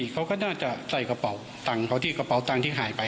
เขาก็น่าจะใส่กระเป๋าตังค์เขาที่กระเป๋าตังค์ที่หายไป